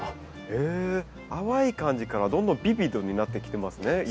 え淡い感じからどんどんビビッドになってきてますね。